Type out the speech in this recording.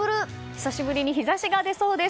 久しぶりに日差しが出そうです。